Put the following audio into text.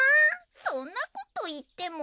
そんなこと言っても。